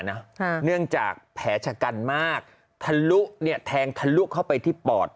เนื่องจากแผลชะกันมากแทงทะลุเข้าไปที่ปอด